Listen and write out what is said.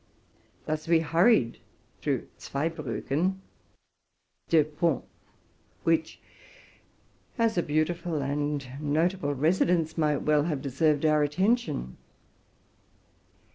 Thus we hurried through Zwey bricken (Deux Ponts), which, as a beautiful and notable residence, might well have deserved our attention.